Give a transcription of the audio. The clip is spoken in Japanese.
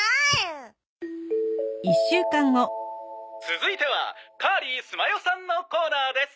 「続いてはカーリー・須磨代さんのコーナーです」